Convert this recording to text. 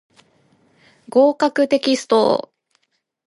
合格テキスト